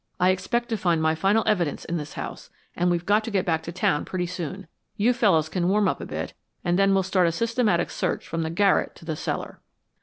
"I expect to find my final evidence in this house, and we've got to get back to town pretty soon. You fellows can warm up a bit and then we'll start a systematic search from the garret to the cellar."